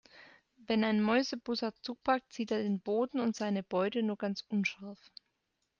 Wenn ein Mäusebussard zupackt, sieht er den Boden und seine Beute nur ganz unscharf.